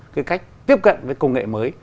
cái cách tiếp cận với công nghệ mới